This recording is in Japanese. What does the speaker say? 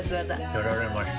やられました。